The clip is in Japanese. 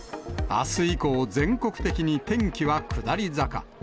あす以降、全国的に天気は下り坂。